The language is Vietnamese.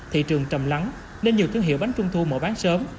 thị trường trầm lắng nên nhiều thương hiệu bánh trung thu mở bán sớm